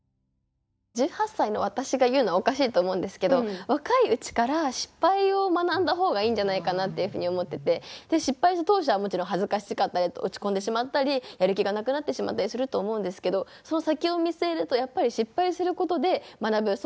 １８歳の私が言うのはおかしいと思うんですけど若いうちから失敗を学んだ方がいいんじゃないかなっていうふうに思ってて失敗した当初はもちろん恥ずかしかったり落ち込んでしまったりやる気がなくなってしまったりすると思うんですけどその先を見据えるとやっぱり失敗することで学ぶ。